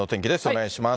お願いします。